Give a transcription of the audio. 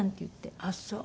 あっそう。